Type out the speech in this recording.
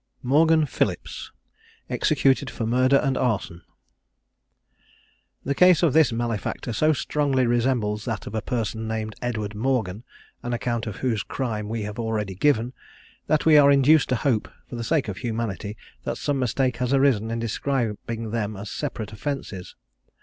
MORGAN PHILLIPS. EXECUTED FOR MURDER AND ARSON. The case of this malefactor so strongly resembles that of a person named Edward Morgan, an account of whose crime we have already given, that we are induced to hope, for the sake of humanity, that some mistake has arisen in describing them as separate offences.